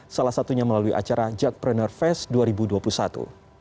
salah satunya melalui acara jackpreneur fest dua ribu dua puluh satu